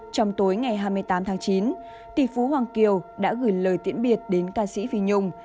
trong tối ngày hai mươi tám tháng chín tỷ phú hoàng kiều đã gửi lời tiễn biệt đến ca sĩ phi nhung